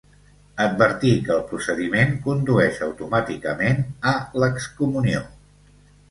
Advertí que el procediment condueix automàticament a l'excomunió.